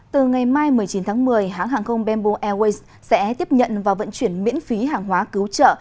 từ ngày mai một mươi chín tháng một mươi hãng hàng không bamboo airways sẽ tiếp nhận và vận chuyển miễn phí hàng hóa cứu trợ